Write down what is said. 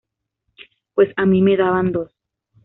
Pues a mí me daban dos